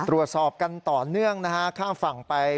ตรวจสอบกันต่อเนื่องนะฮะข้ามฝั่งไป